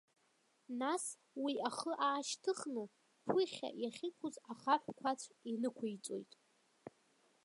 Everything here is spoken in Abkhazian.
Нас уи ахы аашьҭыхны, ԥыхьа иахьықәыз ахаҳә қәацә инықәиҵоит.